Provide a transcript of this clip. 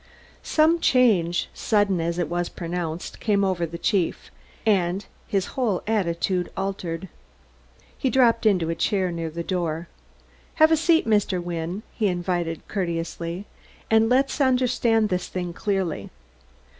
Some change, sudden as it was pronounced, came over the chief, and his whole attitude altered. He dropped into a chair near the door. "Have a seat, Mr. Wynne," he invited courteously, "and let's understand this thing clearly.